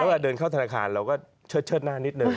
เวลาเดินเข้าธนาคารเราก็เชิดหน้านิดนึง